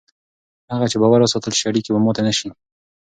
تر هغه چې باور وساتل شي، اړیکې به ماتې نه شي.